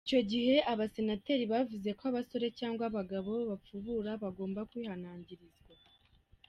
Icyo gihe abasenateri bavuze ko abasore cyangwa abagabo bapfubura bagomba kwihanangirizwa.